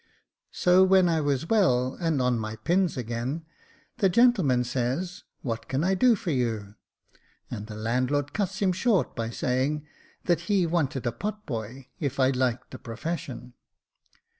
] So v/hen I was well, and on my pins again, the gentleman says, ' "What can I do for you ?' and the landlord cuts him short, by saying, that he wanted a pot boy, if I liked the profes sion.